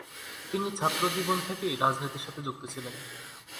তিনি ছাত্রজীবন থেকেই রাজনীতির সাথে যুক্ত ছিলেন।